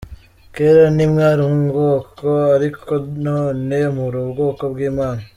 Kera ntimwari ubwoko ariko none muri ubwoko bw’Imana.